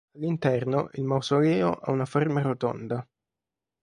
All'interno il mausoleo ha una forma rotonda.